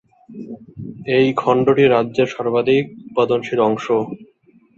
এই খণ্ডটি রাজ্যের সর্বাধিক উৎপাদনশীল অংশ।